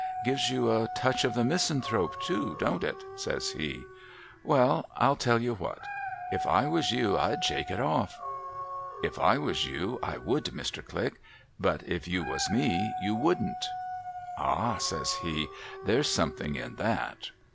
' Gives you a touch of the misanthrope too, don't it ?' says he. ' ^Vell, I'll tell you what. If I was you, I'd shake it off.' ' If I was you, I would, Mr. Click ; but, if you was me, you wouldn't.' ' Ah !' says he, ' there's something in that.'